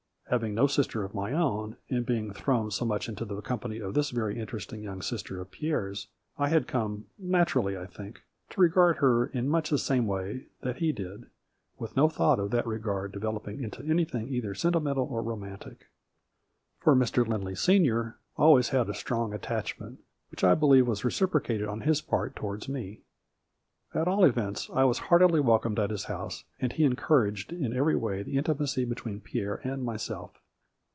Having no sister of my own, and being thrown so much into the company of this very interesting young sister of Pierre's, I had come, naturally, I think, to regard her in much the same way that he did, with no thought of that regard developing into anything either sentimental or romantic. For 12 A FLURRY IN DIAMONDS. Mr. Lindley, senior, I always had a strong at tachment, which I believe was reciprocated on his part towards me. At all events, I was heartily welcomed at his house, and he encour aged in every way the intimacy between Pierre and myself.